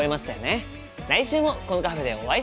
来週もこのカフェでお会いしましょう！